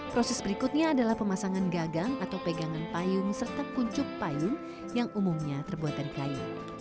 proses berikutnya adalah pemasangan gagang atau pegangan payung serta kuncuk payung yang umumnya terbuat dari kayu